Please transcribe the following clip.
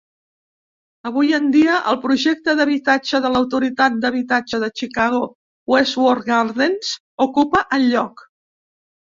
Avui en dia, el projecte d'habitatge de l'autoritat d'habitatge de Chicago Wentworth Gardens ocupa el lloc.